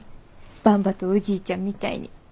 ばんばとおじいちゃんみたいに。